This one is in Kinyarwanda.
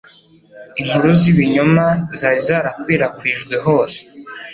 Inkuru z'ibinyoma zari zarakwirakwijwe hose,